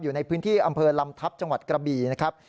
อยู่ในพื้นที่อำเภอลำทัพจังหวัดกระบี่นะครับ